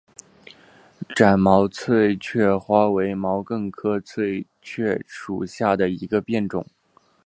展毛翠雀花为毛茛科翠雀属下的一个变种。